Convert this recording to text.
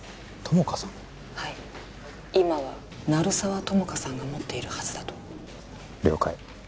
☎はい今は鳴沢友果さんが持っているはずだと了解